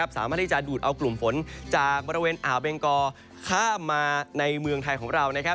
สามารถที่จะดูดเอากลุ่มฝนจากบริเวณอ่าวเบงกอข้ามมาในเมืองไทยของเรา